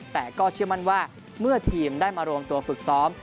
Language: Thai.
แต่ก็เชื่อมั่นว่าเมื่อทีมได้มารวมตัวฝึกซ้อม